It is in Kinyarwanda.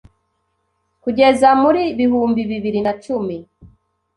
Kugeza muri bihumbi bibiri na cumi